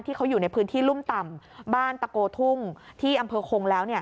ที่เขาอยู่ในพื้นที่รุ่มต่ำบ้านตะโกทุ่งที่อำเภอคงแล้ว